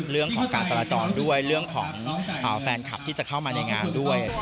เรื่องของการจราจรด้วยเรื่องของแฟนคลับที่จะเข้ามาในงานด้วย